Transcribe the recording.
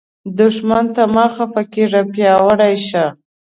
دښمن ته مه خفه کیږه، پیاوړی شه